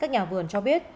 các nhà vườn cho biết